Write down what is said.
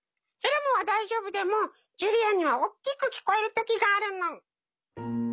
エルモは大丈夫でもジュリアにはおっきく聞こえる時があるの。